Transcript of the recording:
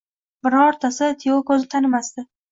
Birontasi Tiyokoni tanimasdi